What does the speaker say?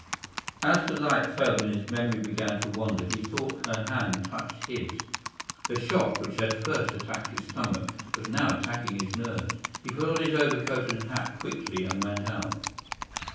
As the light failed and his memory began to wander he thought her hand touched his. The shock which had first attacked his stomach was now attacking his nerves. He put on his overcoat and hat quickly and went out.